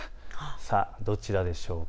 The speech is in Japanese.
さあどちらでしょうか。